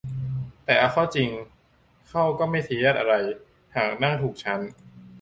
แต่เอาเข้าจริงเข้าก็ไม่ซีเรียสอะไรหากนั่งถูกชั้น